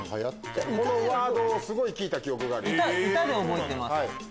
このワードをすごい聞いた記憶がある。